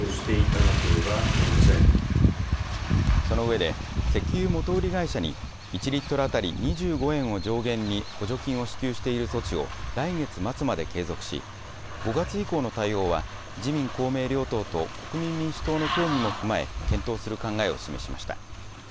その上で、石油元売り会社に１リットル当たり２５円を上限に補助金を支給している措置を来月末まで継続し、５月以降の対応は、自民、公明両党と国民民主党の協議も踏まえ、検討する考えを示しました。